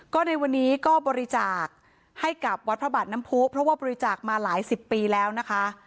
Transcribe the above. ก็ในวันนี้ก็บริจาคให้กับวัดพระบาทน้ำผู้เพราะว่าบริจาคมาหลายสิบปีแล้วนะคะ